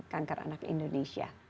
kanker anak indonesia